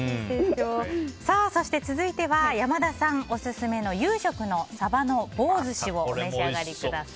そして、続いては山田さんオススメの有職のサバの棒寿司をお召し上がりください。